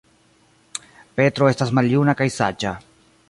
Petro estas maljuna kaj saĝa.